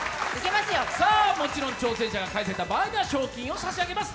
もちろん挑戦者が返せた場合には賞金を差し上げます。